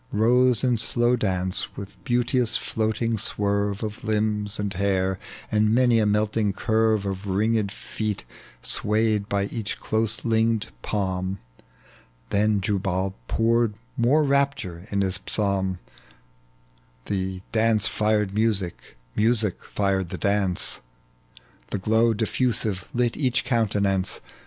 Rose in slow dance, with beanteous floating swerve Of limbs and hair, and many a melting curve Of ringed feet swayed by each close linked palm : Then Jubal poured more rapture in his psalm, The dance fired mnsie, music fired the dance. The glow difi'usive lit each countenance.